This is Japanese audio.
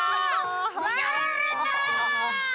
やられた。